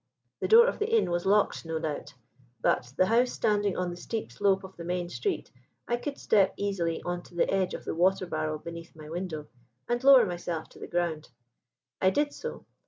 The door of the inn was locked, no doubt; but, the house standing on the steep slope of the main street, I could step easily on to the edge of the water barrel beneath my window and lower myself to the ground. "I did so.